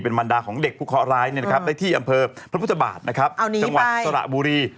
เป็นมันดาของเด็กผู้เคาะร้ายได้ที่อำเภอพระพุทธบาทจังหวัดสระบุรี